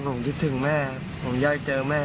ผมคิดถึงแม่ผมอยากเจอแม่